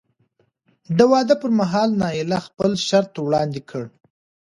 د واده پر مهال نایله خپل شرط وړاندې کړ.